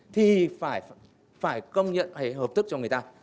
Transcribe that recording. thì phải công nhận hay hợp thức cho người ta